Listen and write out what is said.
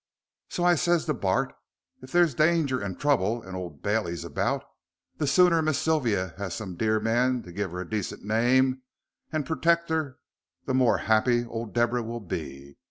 So I ses to Bart, if there's danger and trouble and Old Baileys about, the sooner Miss Sylvia have some dear man to give her a decent name and pertect her the more happy old Deborah will be.